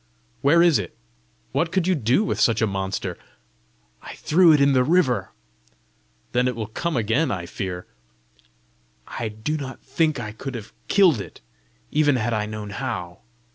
"Where is it? What could you do with such a monster?" "I threw it in the river." "Then it will come again, I fear!" "I do not think I could have killed it, even had I known how!